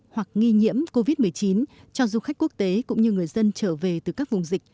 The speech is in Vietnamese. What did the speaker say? hoặc nghi nhiễm covid một mươi chín cho du khách quốc tế cũng như người dân trở về từ các vùng dịch